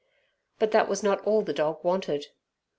But that was not all the dog wanted.